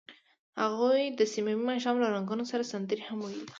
هغوی د صمیمي ماښام له رنګونو سره سندرې هم ویلې.